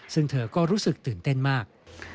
ซึ่งเธอก็รู้สึกตื่นเต้นมาก